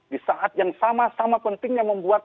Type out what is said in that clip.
di saat yang sama sama pentingnya membuat